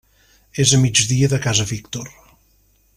És a migdia de Casa Víctor.